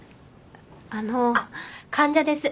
あのあっ患者です